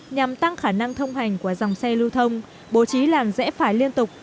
nhằm tăng khả năng thông hành của dòng xe lưu thông bố trí làn rẽ phải liên tục